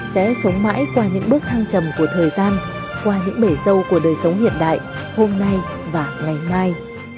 sẽ sống mãi qua những bước thăng trầm của thời gian qua những bể dâu của đời sống hiện đại hôm nay và ngày mai